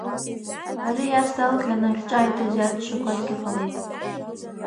Ари ас далҟьаны ахьҿааиҭыз иаарччақәазгьы ҟалеит.